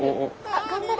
あっ頑張れ。